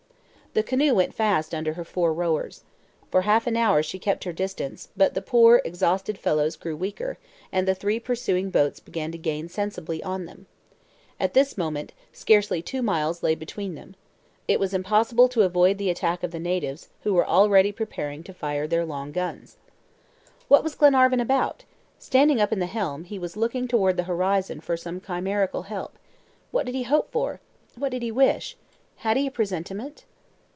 The canoe went fast under her four rowers. For half an hour she kept her distance; but the poor exhausted fellows grew weaker, and the three pursuing boats began to gain sensibly on them. At this moment, scarcely two miles lay between them. It was impossible to avoid the attack of the natives, who were already preparing to fire their long guns. What was Glenarvan about? standing up in the stern he was looking toward the horizon for some chimerical help. What did he hope for? What did he wish? Had he a presentiment?